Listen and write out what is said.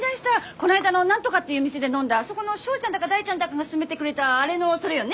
こないだの何とかっていう店で飲んだあそこのショウちゃんだかダイちゃんだかが薦めてくれたあれのそれよね？